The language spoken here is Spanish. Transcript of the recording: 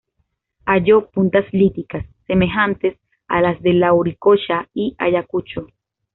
Halló puntas líticas, semejantes a las de Lauricocha y Ayacucho.